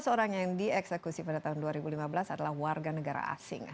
sebelas orang yang dieksekusi pada tahun dua ribu lima belas adalah warga negara asing